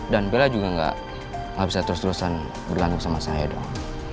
dan bella juga gak bisa terus terusan berlangsung sama saya dong